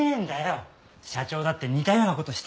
社長だって似たようなことしてきたんだ。